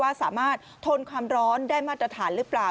ว่าสามารถทนความร้อนได้มาตรฐานหรือเปล่า